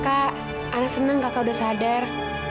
kak anak senang kakak sudah sadar